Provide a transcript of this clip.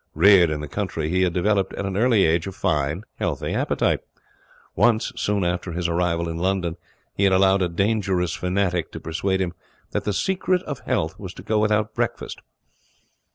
Reared in the country, he had developed at an early age a fine, healthy appetite. Once, soon after his arrival in London, he had allowed a dangerous fanatic to persuade him that the secret of health was to go without breakfast.